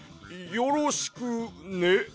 よろしくね。